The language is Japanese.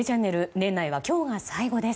年内は今日が最後です。